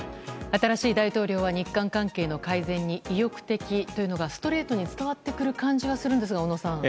新しい大統領は日韓関係の改善に意欲的というのがストレートに伝わってくる感じはするんですが小野さん。